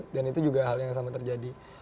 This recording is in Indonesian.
dan itu juga hal yang sama terjadi